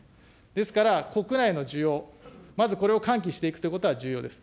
ですから、国内の需要、まずこれを喚起していくということが重要です。